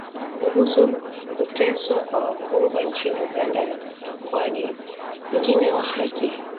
kuhusu kuteswa kwa wafungwa nchini Uganda na ukiukwaji mwingine wa haki